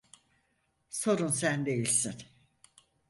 Sorun sen değilsin.